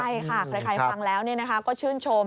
ใช่ค่ะใครฟังแล้วก็ชื่นชม